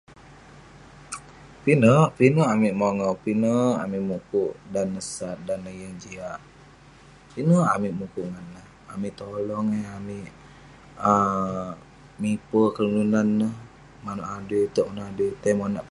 Pinek, pinek amik mongau. Pinek amik mukuk dan neh sat, dan neh yeng jiak. Pinek amik mukuk ngan nah, amik tolong yah, amik um miper kelunan neh. Manouk adui itouk manouk adui itei monak-